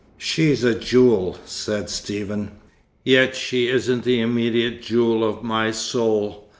"She's a jewel," said Stephen. "Yet she isn't the immediate jewel of my soul.